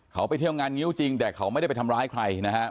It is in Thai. เขาไปเที่ยวงานงิ้วจริงแต่เขาไม่ได้ไปทำร้ายใครนะฮะ